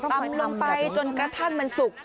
ตำลงไปจนกระทั่งมันสุก